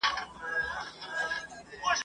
لکه جنډۍ د شهید قبر د سر ..